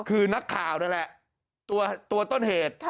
คือนักข่าวนั่นแหละตัวต้นเหตุ